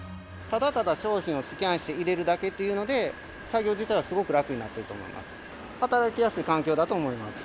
ただただ商品をスキャンして入れるだけというので、作業自体はすごく楽になっていると思います。